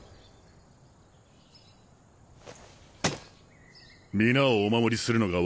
皆をお守りするのが私の使命。